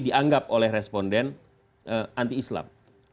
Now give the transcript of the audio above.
dianggap oleh responden anti islam